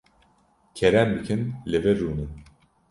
Kerem bikin, li vir rûnin.